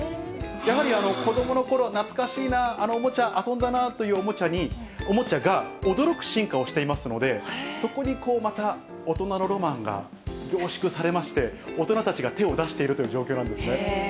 やはり子どものころ、懐かしいな、あのおもちゃ、遊んだなというおもちゃが驚く進化をしてますので、そこにこうまた、大人のロマンが凝縮されまして、大人たちが手を出しているという状況なんですね。